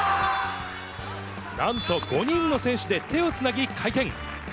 なんと５人の選手が手をつなぎ、回転。